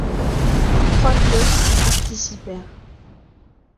Trois pilotes y participèrent.